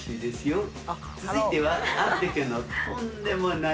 続いては。